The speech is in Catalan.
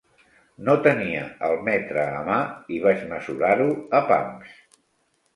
No tenia el metre a mà i vaig mesurar-ho a pams.